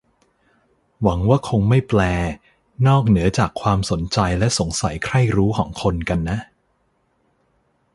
หวังว่าคงไม่แปล นอกเหนือจากความสนใจและสงสัยใคร่รู้ของคนกันนะ